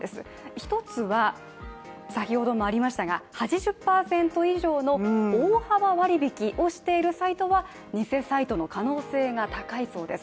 一つは、先ほどもありましたが、８０％以上の大幅割引をしているサイトは、偽サイトの可能性が高いそうです。